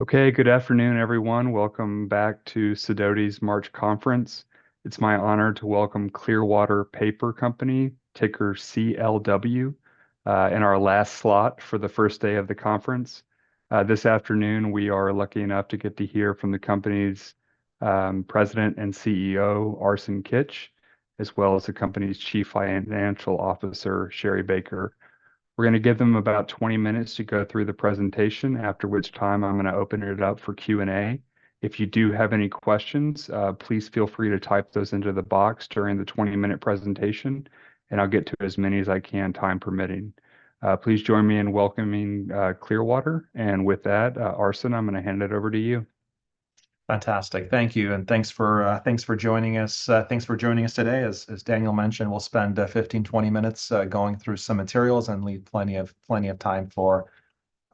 Okay, good afternoon, everyone. Welcome back to Sidoti's March conference. It's my honor to welcome Clearwater Paper Company, ticker CLW, in our last slot for the first day of the conference. This afternoon, we are lucky enough to get to hear from the company's President and CEO, Arsen Kitch, as well as the company's Chief Financial Officer, Sherri Baker. We're gonna give them about 20 minutes to go through the presentation, after which time I'm gonna open it up for Q&A. If you do have any questions, please feel free to type those into the box during the 20-minute presentation, and I'll get to as many as I can, time permitting. Please join me in welcoming Clearwater, and with that, Arsen, I'm gonna hand it over to you. Fantastic. Thank you, and thanks for joining us. Thanks for joining us today. As Daniel mentioned, we'll spend 15-20 minutes going through some materials, and leave plenty of time for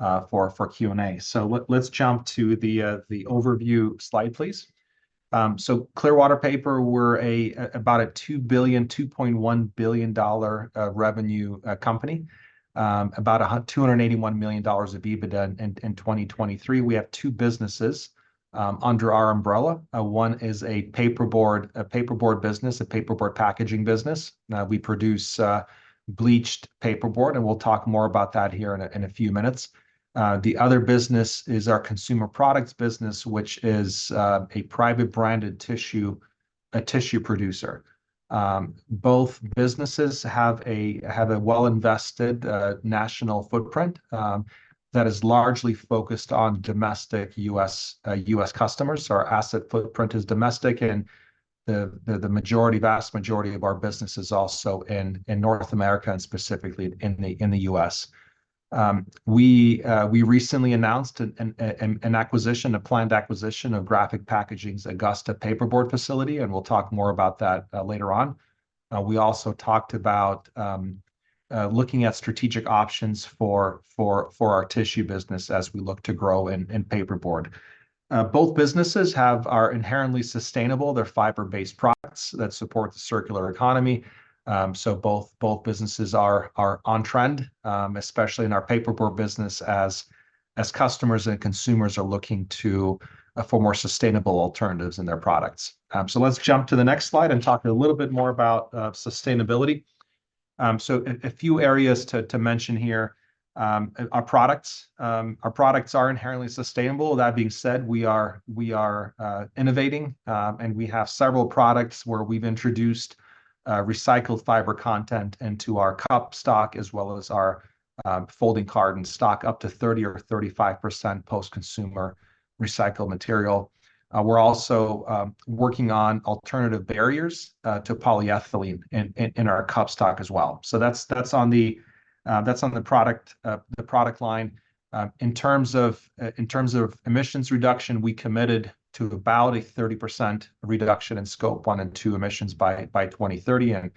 Q&A. So let's jump to the overview slide, please. So Clearwater Paper, we're about a $2 billion, $2.1 billion revenue company. About $281 million of EBITDA in 2023. We have two businesses under our umbrella. One is a paperboard, a paperboard business, a paperboard packaging business. We produce bleached paperboard, and we'll talk more about that here in a few minutes. The other business is our consumer products business, which is a private branded tissue, a tissue producer. Both businesses have a well-invested national footprint that is largely focused on domestic U.S. customers. So our asset footprint is domestic, and the vast majority of our business is also in North America, and specifically in the U.S. We recently announced a planned acquisition of Graphic Packaging's Augusta paperboard facility, and we'll talk more about that later on. We also talked about looking at strategic options for our tissue business as we look to grow in paperboard. Both businesses are inherently sustainable. They're fiber-based products that support the circular economy. So both businesses are on trend, especially in our paperboard business, as customers and consumers are looking to for more sustainable alternatives in their products. So let's jump to the next slide and talk a little bit more about sustainability. So a few areas to mention here. Our products are inherently sustainable. That being said, we are innovating, and we have several products where we've introduced recycled fiber content into our cup stock, as well as folding carton stock, up to 30% or 35% post-consumer recycled material. We're also working on alternative barriers to polyethylene in our cup stock as well. So that's on the product line. In terms of, in terms of emissions reduction, we committed to about a 30% reduction in Scope One and Two emissions by 2030, and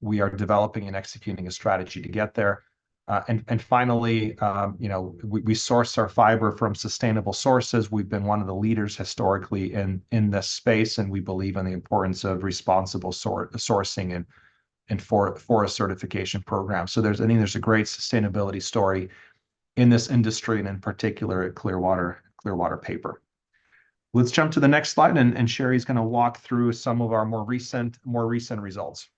we are developing and executing a strategy to get there. And finally, you know, we source our fiber from sustainable sources. We've been one of the leaders historically in this space, and we believe in the importance of responsible sourcing and forest certification programs. So there's, I think there's a great sustainability story in this industry, and in particular, at Clearwater Paper. Let's jump to the next slide, and Sherri's gonna walk through some of our more recent results.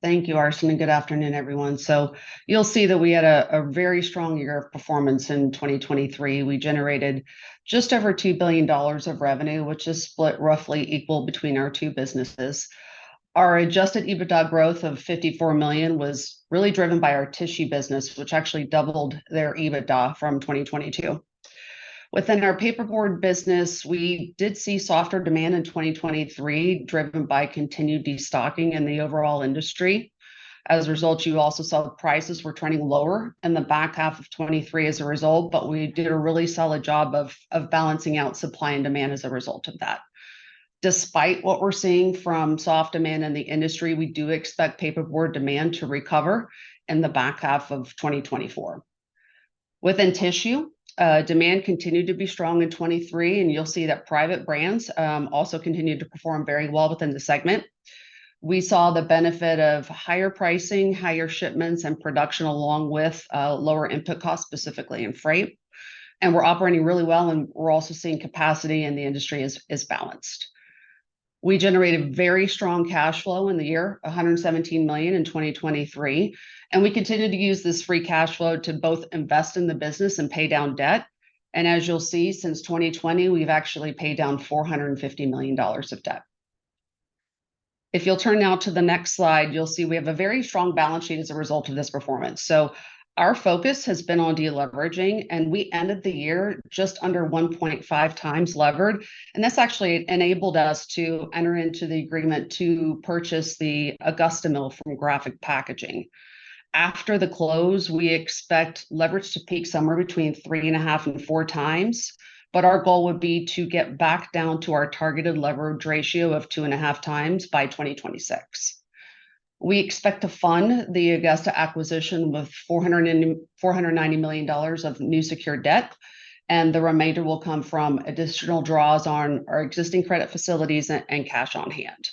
Thank you, Arsen, and good afternoon, everyone. So you'll see that we had a very strong year of performance in 2023. We generated just over $2 billion of revenue, which is split roughly equal between our two businesses. Our Adjusted EBITDA growth of $54 million was really driven by our tissue business, which actually doubled their EBITDA from 2022. Within our paperboard business, we did see softer demand in 2023, driven by continued destocking in the overall industry. As a result, you also saw the prices were trending lower in the back half of 2023 as a result, but we did a really solid job of balancing out supply and demand as a result of that. Despite what we're seeing from soft demand in the industry, we do expect paperboard demand to recover in the back half of 2024. Within tissue, demand continued to be strong in 2023, and you'll see that private brands also continued to perform very well within the segment. We saw the benefit of higher pricing, higher shipments, and production, along with lower input costs, specifically in freight, and we're operating really well, and we're also seeing capacity in the industry is balanced. We generated very strong cash flow in the year, $117 million in 2023, and we continue to use this free cash flow to both invest in the business and pay down debt. And as you'll see, since 2020, we've actually paid down $450 million of debt. If you'll turn now to the next slide, you'll see we have a very strong balance sheet as a result of this performance. So our focus has been on deleveraging, and we ended the year just under 1.5x levered, and this actually enabled us to enter into the agreement to purchase the Augusta mill from Graphic Packaging. After the close, we expect leverage to peak somewhere between 3.5x-4x, but our goal would be to get back down to our targeted leverage ratio of 2.5x by 2026. We expect to fund the Augusta acquisition with $490 million of new secured debt, and the remainder will come from additional draws on our existing credit facilities and cash on hand.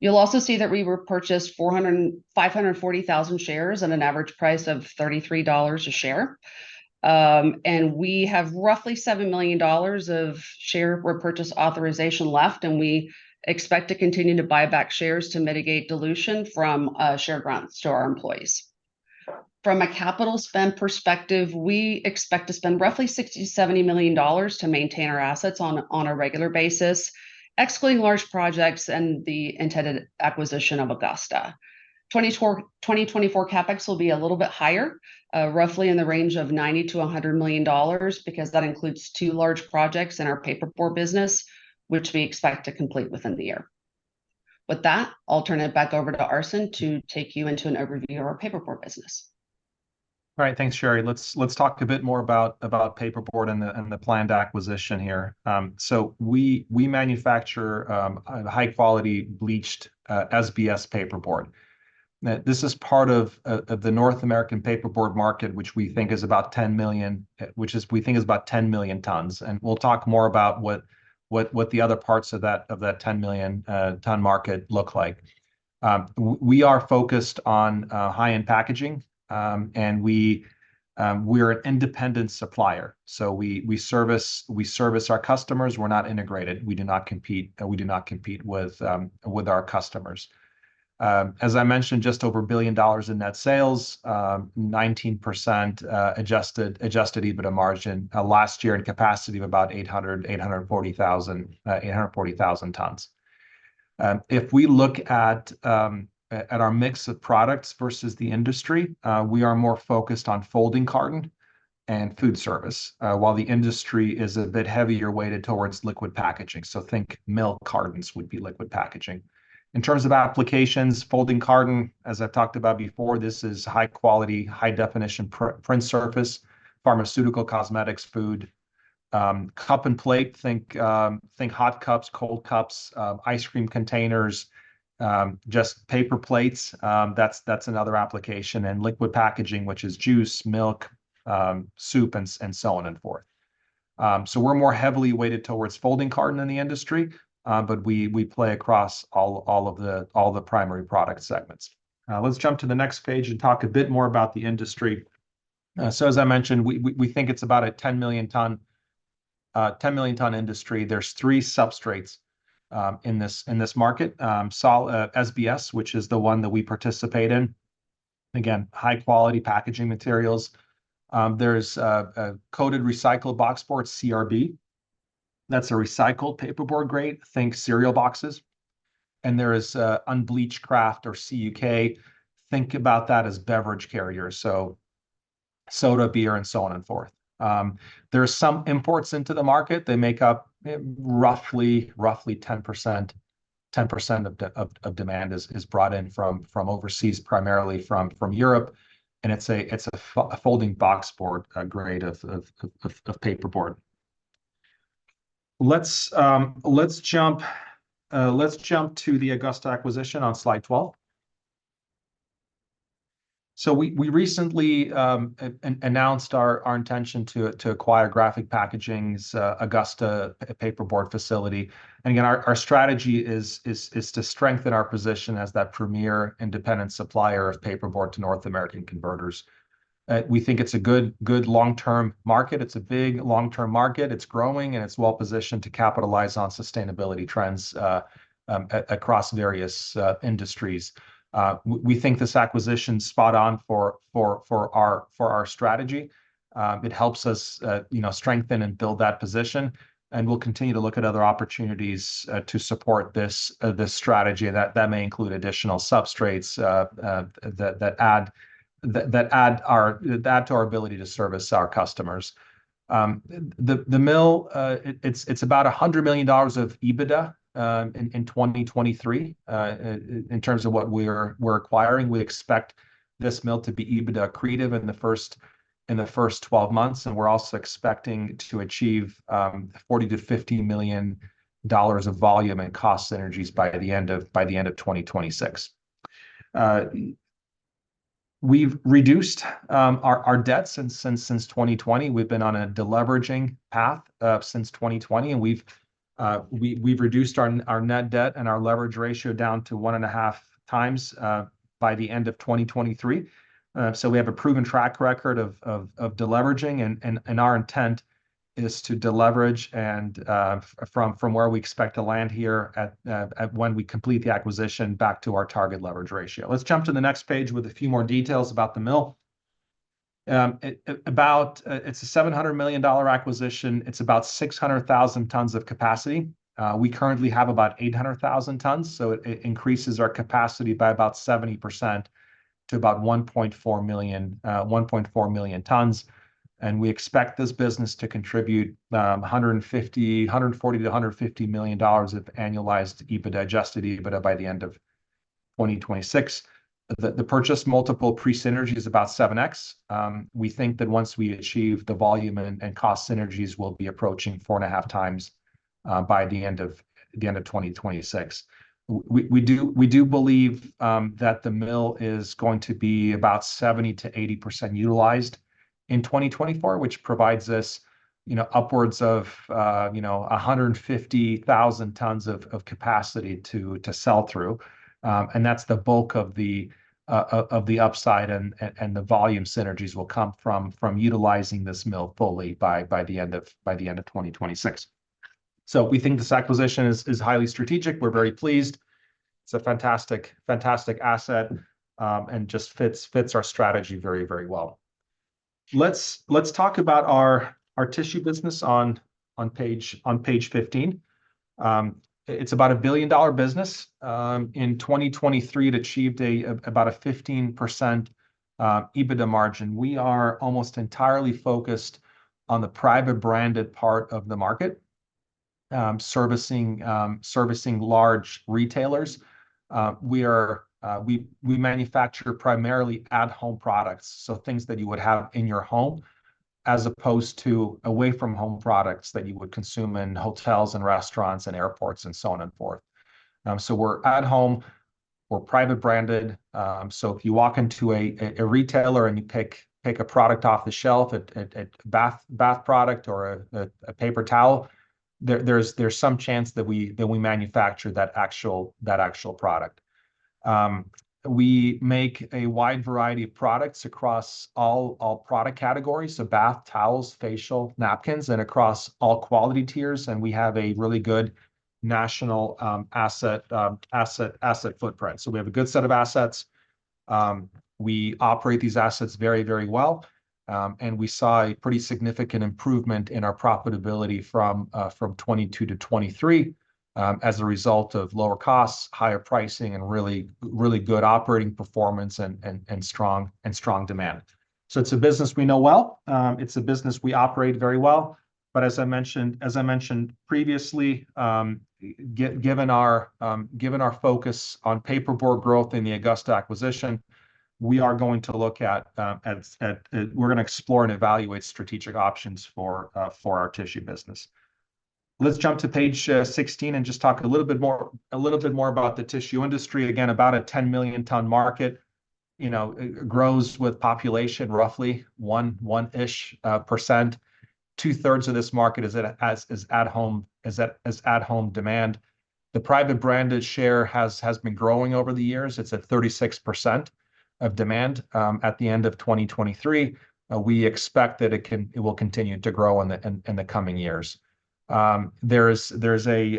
You'll also see that we repurchased 450,000 shares at an average price of $33 a share. And we have roughly $7 million of share repurchase authorization left, and we expect to continue to buy back shares to mitigate dilution from share grants to our employees. From a capital spend perspective, we expect to spend roughly $60 million-$70 million to maintain our assets on a regular basis, excluding large projects and the intended acquisition of Augusta. 2024 CapEx will be a little bit higher, roughly in the range of $90 million-$100 million, because that includes two large projects in our paperboard business, which we expect to complete within the year. With that, I'll turn it back over to Arsen to take you into an overview of our paperboard business. All right. Thanks, Sherri. Let's, let's talk a bit more about, about paperboard and the, and the planned acquisition here. So we, we manufacture a high-quality bleached SBS paperboard. Now, this is part of of the North American paperboard market, which we think is about 10 million tons. And we'll talk more about what, what, what the other parts of that, of that 10 million ton market look like. We are focused on high-end packaging, and we, we're an independent supplier. So we, we service, we service our customers. We're not integrated. We do not compete, we do not compete with our customers. As I mentioned, just over $1 billion in net sales, 19% Adjusted EBITDA margin last year, and capacity of about 840,000 tons. If we look at our mix of products versus the industry, we are more focused folding carton and food service, while the industry is a bit heavier weighted towards liquid packaging. So think milk cartons would be liquid packaging. In terms of folding carton, as I've talked about before, this is high quality, high definition print surface, pharmaceutical, cosmetics, food. Cup and plate, think hot cups, cold cups, ice cream containers, just paper plates, that's another application. And liquid packaging, which is juice, milk, soup, and so on and forth. So we're more heavily weighted folding carton in the industry, but we play across all of the primary product segments. Let's jump to the next page and talk a bit more about the industry. So as I mentioned, we think it's about a 10-million-ton industry. There's three substrates in this market. SBS, which is the one that we participate in. Again, high-quality packaging materials. There's a coated recycled boxboard, CRB. That's a recycled paperboard grade. Think cereal boxes. And there is unbleached kraft or CUK. Think about that as beverage carriers, so soda, beer, and so on and forth. There are some imports into the market. They make up roughly 10%. 10% of demand is brought in from overseas, primarily from Europe, and it's a folding boxboard grade of paperboard. Let's jump to the Augusta acquisition on slide 12. So we recently announced our intention to acquire Graphic Packaging's Augusta paperboard facility. And again, our strategy is to strengthen our position as that premier independent supplier of paperboard to North American converters. We think it's a good long-term market. It's a big long-term market. It's growing, and it's well-positioned to capitalize on sustainability trends across various industries. We think this acquisition's spot on for our strategy. It helps us, you know, strengthen and build that position, and we'll continue to look at other opportunities to support this strategy, and that may include additional substrates that add to our ability to service our customers. The mill, it's about $100 million of EBITDA in 2023. In terms of what we're acquiring, we expect this mill to be EBITDA accretive in the first 12 months, and we're also expecting to achieve $40 million-$50 million of volume and cost synergies by the end of 2026. We've reduced our debt since 2020. We've been on a deleveraging path since 2020, and we've reduced our net debt and our leverage ratio down to 1.5x by the end of 2023. So we have a proven track record of deleveraging, and our intent is to deleverage from where we expect to land here at when we complete the acquisition back to our target leverage ratio. Let's jump to the next page with a few more details about the mill. It's a $700 million acquisition. It's about 600,000 tons of capacity. We currently have about 800,000 tons, so it increases our capacity by about 70% to about 1.4 million tons. We expect this business to contribute $140 million-$150 million of annualized EBITDA, Adjusted EBITDA, by the end of 2026. The purchase multiple pre-synergy is about 7x. We think that once we achieve the volume and cost synergies, we'll be approaching 4.5x by the end of 2026. We do believe that the mill is going to be about 70%-80% utilized in 2024, which provides us, you know, upwards of, you know, 150,000 tons of capacity to sell through. And that's the bulk of the upside and the volume synergies will come from utilizing this mill fully by the end of 2026. So we think this acquisition is highly strategic. We're very pleased. It's a fantastic asset, and just fits our strategy very well. Let's talk about our tissue business on page 15. It's about a billion-dollar business. In 2023, it achieved about a 15% EBITDA margin. We are almost entirely focused on the private branded part of the market, servicing large retailers. We manufacture primarily at-home products, so things that you would have in your home, as opposed to away-from-home products that you would consume in hotels, and restaurants, and airports, and so on and forth. So we're at home, we're private branded. So if you walk into a retailer, and you pick a product off the shelf, a bath product or a paper towel, there's some chance that we manufactured that actual product. We make a wide variety of products across all product categories, so bath towels, facial napkins, and across all quality tiers, and we have a really good national asset footprint. So we have a good set of assets. We operate these assets very, very well, and we saw a pretty significant improvement in our profitability from 2022 to 2023, as a result of lower costs, higher pricing, and really good operating performance, and strong demand. So it's a business we know well. It's a business we operate very well. But as I mentioned previously, given our focus on paperboard growth in the Augusta acquisition, we're gonna explore and evaluate strategic options for our Tissue business. Let's jump to page 16 and just talk a little bit more about the Tissue industry. Again, about a 10-million-ton market, you know, it grows with population, roughly 1%-ish. Two-thirds of this market is at-home demand. The private branded share has been growing over the years. It's at 36% of demand at the end of 2023. We expect that it will continue to grow in the coming years. There is, there's a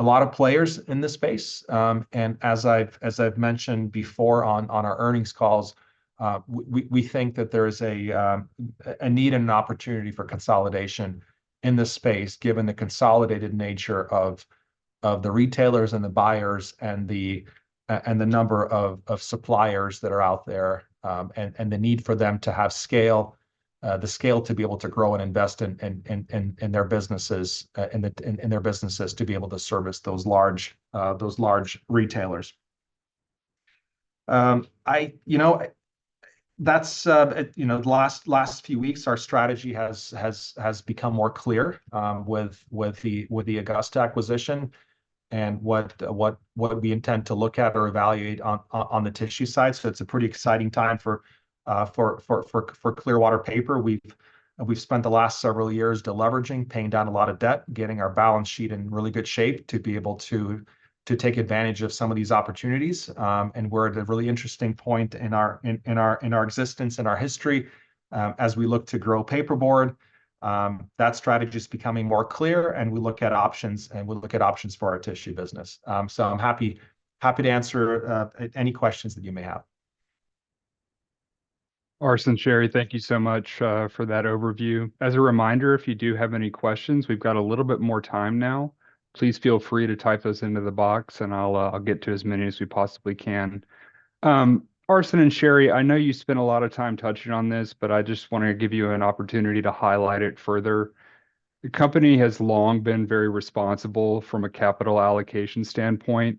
lot of players in this space, and as I've mentioned before on our earnings calls, we think that there is a need and an opportunity for consolidation in this space, given the consolidated nature of the retailers, and the buyers, and the number of suppliers that are out there, and the need for them to have scale, the scale to be able to grow and invest in their businesses, in their businesses to be able to service those large retailers. You know, that's it, you know, the last few weeks, our strategy has become more clear, with the Augusta acquisition and what we intend to look at or evaluate on the tissue side. So it's a pretty exciting time for Clearwater Paper. We've spent the last several years deleveraging, paying down a lot of debt, getting our balance sheet in really good shape to be able to take advantage of some of these opportunities. And we're at a really interesting point in our existence, in our history, as we look to grow paperboard. That strategy is becoming more clear, and we look at options, and we look at options for our tissue business. I'm happy, happy to answer any questions that you may have. Arsen, Sherri, thank you so much for that overview. As a reminder, if you do have any questions, we've got a little bit more time now. Please feel free to type those into the box, and I'll get to as many as we possibly can. Arsen and Sherri, I know you spent a lot of time touching on this, but I just want to give you an opportunity to highlight it further. The company has long been very responsible from a capital allocation standpoint,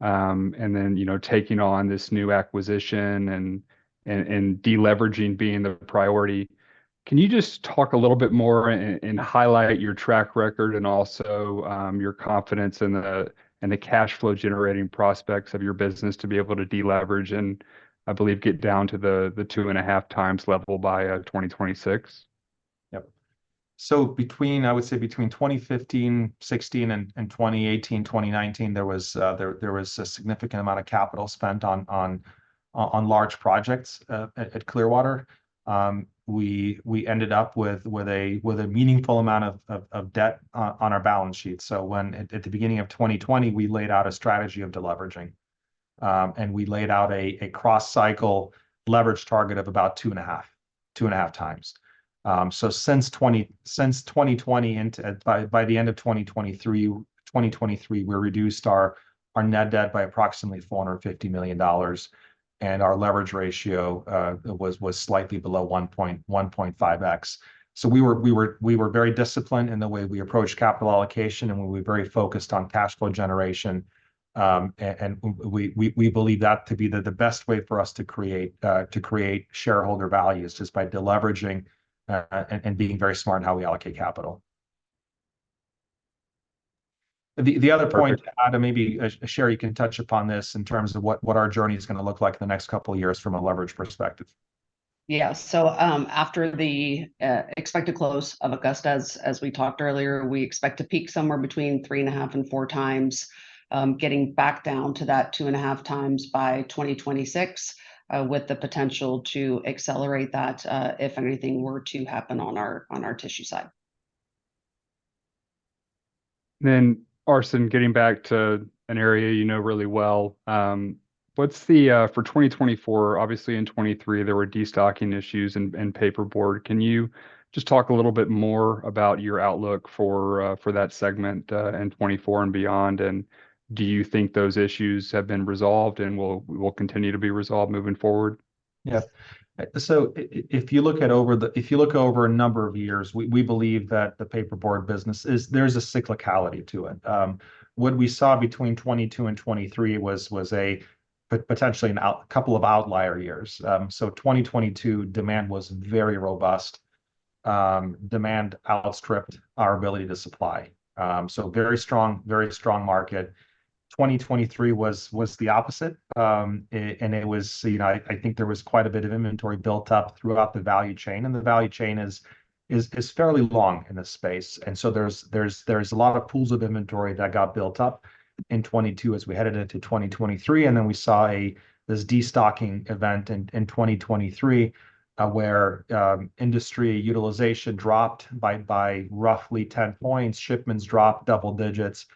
and then, you know, taking on this new acquisition, and deleveraging being the priority. Can you just talk a little bit more and highlight your track record, and also, your confidence in the, in the cash flow generating prospects of your business to be able to deleverage, and I believe, get down to the, the 2.5x level by 2026? Yep. So between, I would say between 2015, 2016, and 2018, 2019, there was a significant amount of capital spent on large projects at Clearwater. We ended up with a meaningful amount of debt on our balance sheet. So at the beginning of 2020, we laid out a strategy of deleveraging, and we laid out a cross-cycle leverage target of about 2.5x. So since 2020, and by the end of 2023, we reduced our net debt by approximately $450 million, and our leverage ratio was slightly below 1.5x. So we were very disciplined in the way we approached capital allocation, and we were very focused on cash flow generation. And we believe that to be the best way for us to create shareholder values, just by deleveraging and being very smart in how we allocate capital. The other point to add, and maybe Sherri can touch upon this in terms of what our journey is gonna look like in the next couple years from a leverage perspective. Yeah, so, after the expected close of Augusta, as we talked earlier, we expect to peak somewhere between 3.5x and 4x, getting back down to that 2.5x by 2026, with the potential to accelerate that, if anything were to happen on our tissue side. Then, Arsen, getting back to an area you know really well, for 2024, obviously in 2023, there were destocking issues in paperboard. Can you just talk a little bit more about your outlook for that segment in 2024 and beyond? And do you think those issues have been resolved and will continue to be resolved moving forward? Yeah. So if you look over a number of years, we, we believe that the paperboard business is, there's a cyclicality to it. What we saw between 2022 and 2023 was potentially a couple of outlier years. So 2022, demand was very robust. Demand outstripped our ability to supply. So very strong, very strong market. 2023 was the opposite. And it was, you know, I, I think there was quite a bit of inventory built up throughout the value chain, and the value chain is fairly long in this space. There's a lot of pools of inventory that got built up in 2022 as we headed into 2023, and then we saw this destocking event in 2023, where industry utilization dropped by roughly 10 points. Shipments dropped double digits.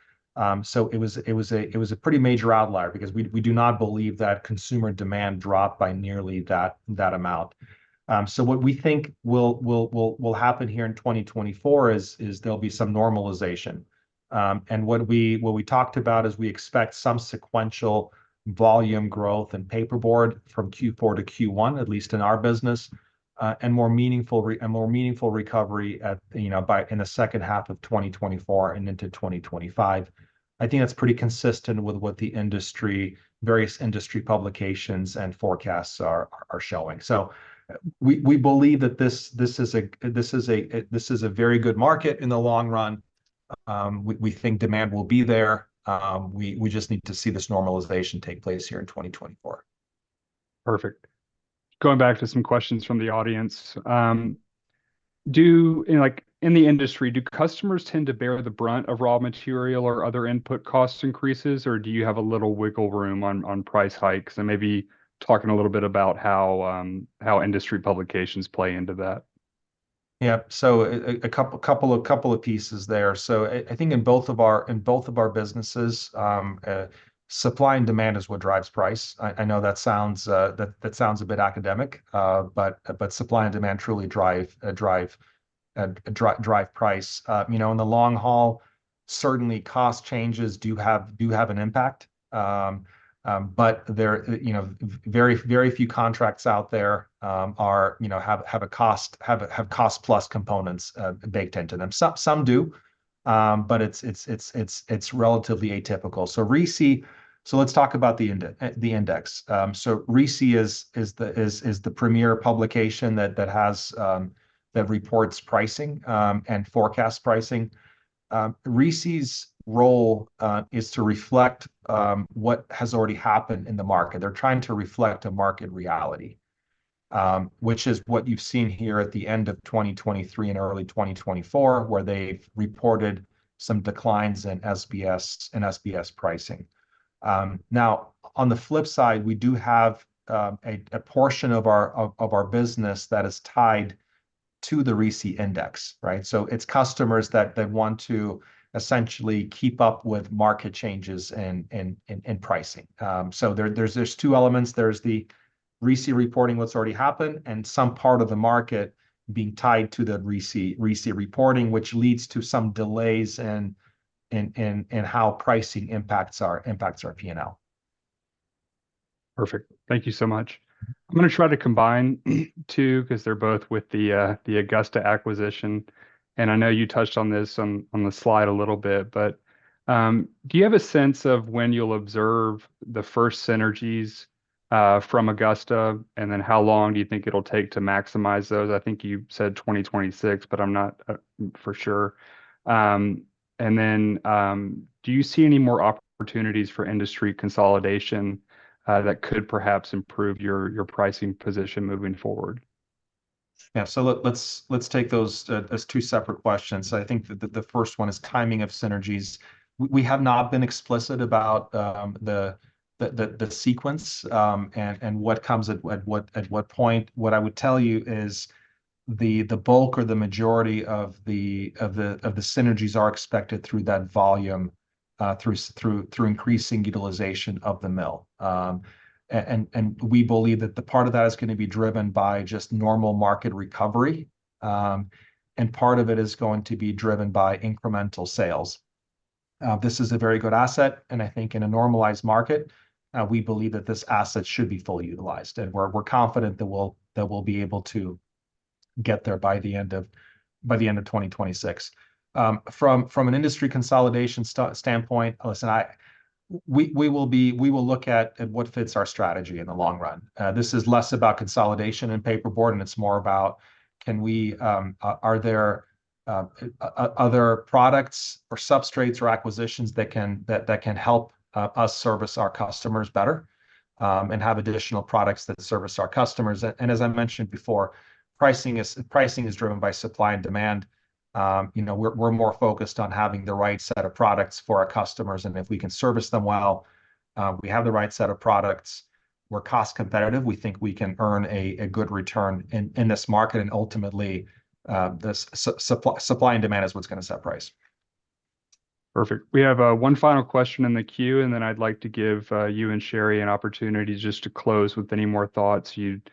So it was a pretty major outlier, because we do not believe that consumer demand dropped by nearly that amount. So what we think will happen here in 2024 is there'll be some normalization. And what we talked about is we expect some sequential volume growth in paperboard from Q4 to Q1, at least in our business, and more meaningful recovery, you know, in the second half of 2024 and into 2025. I think that's pretty consistent with what the industry, various industry publications and forecasts are showing. So, we believe that this is a very good market in the long run. We think demand will be there. We just need to see this normalization take place here in 2024. Perfect. Going back to some questions from the audience. And, like, in the industry, do customers tend to bear the brunt of raw material or other input costs increases, or do you have a little wiggle room on, on price hikes? And maybe talking a little bit about how, how industry publications play into that. Yeah, so a couple of pieces there. So I think in both of our businesses, supply and demand is what drives price. I know that sounds a bit academic, but supply and demand truly drive price. You know, in the long haul, certainly cost changes do have an impact. But there, you know, very few contracts out there are, you know, have cost-plus components baked into them. Some do, but it's relatively atypical. So RISI. So let's talk about the index. So RISI is the premier publication that reports pricing and forecast pricing. RISI's role is to reflect what has already happened in the market. They're trying to reflect a market reality, which is what you've seen here at the end of 2023 and early 2024, where they've reported some declines in SBS pricing. Now, on the flip side, we do have a portion of our business that is tied to the RISI index, right? So it's customers that want to essentially keep up with market changes and pricing. So there's two elements. There's the RISI reporting, what's already happened, and some part of the market being tied to the RISI, RISI reporting, which leads to some delays in how pricing impacts our PNL. Perfect. Thank you so much. I'm gonna try to combine two, 'cause they're both with the Augusta acquisition, and I know you touched on this on the slide a little bit, but, do you have a sense of when you'll observe the first synergies from Augusta? And then how long do you think it'll take to maximize those? I think you said 2026, but I'm not for sure. And then, do you see any more opportunities for industry consolidation that could perhaps improve your pricing position moving forward? Yeah, so let's take those as two separate questions. So I think that the first one is timing of synergies. We have not been explicit about the sequence and what comes at what point. What I would tell you is the bulk or the majority of the synergies are expected through that volume through increasing utilization of the mill. And we believe that the part of that is gonna be driven by just normal market recovery and part of it is going to be driven by incremental sales. This is a very good asset, and I think in a normalized market, we believe that this asset should be fully utilized, and we're confident that we'll be able to get there by the end of 2026. From an industry consolidation standpoint, we will look at what fits our strategy in the long run. This is less about consolidation and paperboard, and it's more about can we are there other products or substrates or acquisitions that can help us service our customers better, and have additional products that service our customers. And as I mentioned before, pricing is driven by supply and demand. You know, we're more focused on having the right set of products for our customers, and if we can service them well, we have the right set of products. We're cost competitive, we think we can earn a good return in this market, and ultimately, the supply and demand is what's gonna set price. Perfect. We have one final question in the queue, and then I'd like to give you and Sherri an opportunity just to close with any more thoughts you'd,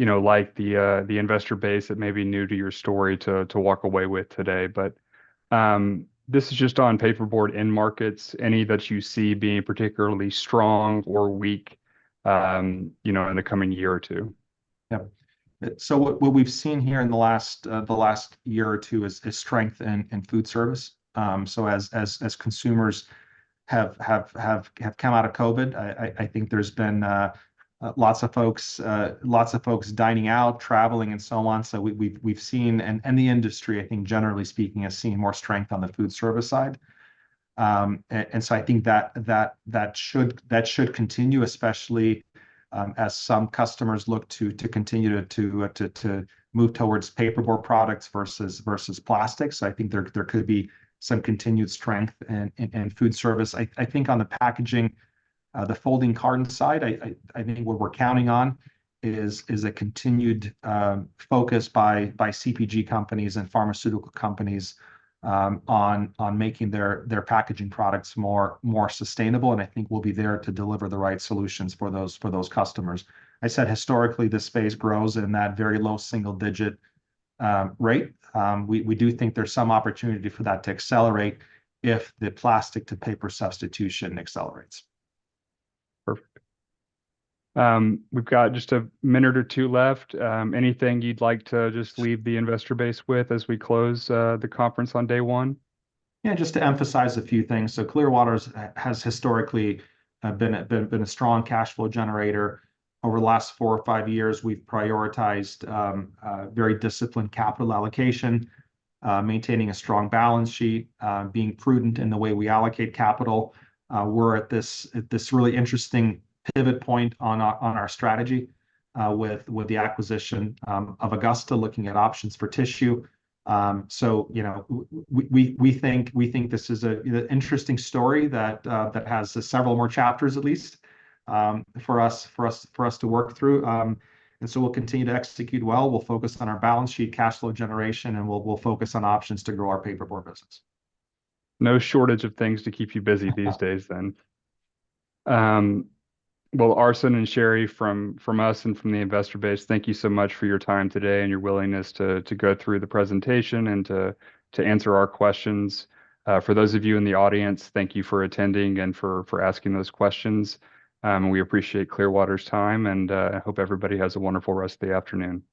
you know, like the investor base that may be new to your story to walk away with today. But this is just on paperboard end markets, any that you see being particularly strong or weak, you know, in the coming year or two? Yeah. So what we've seen here in the last year or two is strength in food service. So as consumers have come out of COVID, I think there's been lots of folks dining out, traveling, and so on. So we've seen, and the industry, I think, generally speaking, has seen more strength on the food service side. And so I think that should continue, especially, as some customers look to continue to move towards paperboard products versus plastic. So I think there could be some continued strength in food service. I think on the packaging, folding carton side, I think what we're counting on is a continued focus by CPG companies and pharmaceutical companies on making their packaging products more sustainable, and I think we'll be there to deliver the right solutions for those customers. I said historically, this space grows in that very low single digit rate. We do think there's some opportunity for that to accelerate if the plastic to paper substitution accelerates. Perfect. We've got just a minute or two left. Anything you'd like to just leave the investor base with as we close, the conference on day one? Yeah, just to emphasize a few things. So Clearwater's has historically been a strong cash flow generator. Over the last four or five years, we've prioritized very disciplined capital allocation, maintaining a strong balance sheet, being prudent in the way we allocate capital. We're at this really interesting pivot point on our strategy with the acquisition of Augusta, looking at options for tissue. So, you know, we think this is an interesting story that has several more chapters at least for us to work through. And so we'll continue to execute well. We'll focus on our balance sheet cash flow generation, and we'll focus on options to grow our paperboard business. No shortage of things to keep you busy these days then. Well, Arsen and Sherri, from us and from the investor base, thank you so much for your time today and your willingness to go through the presentation, and to answer our questions. For those of you in the audience, thank you for attending and for asking those questions. We appreciate Clearwater's time, and I hope everybody has a wonderful rest of the afternoon. Thanks.